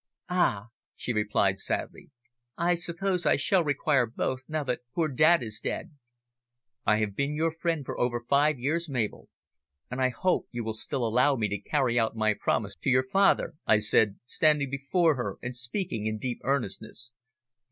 "Ah!" she replied sadly, "I suppose I shall require both, now that poor dad is dead." "I have been your friend for over five years, Mabel, and I hope you will still allow me to carry out my promise to your father," I said, standing before her and speaking in deep earnestness.